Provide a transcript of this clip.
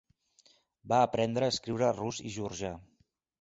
Va aprendre a escriure rus i georgià.